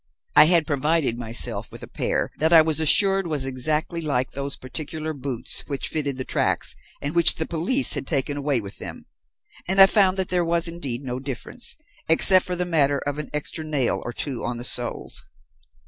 I had provided myself with a pair that I was assured was exactly like those particular boots which fitted the tracks and which the police had taken away with them, and I found that there was indeed no difference, except for the matter of an extra nail or two on the soles.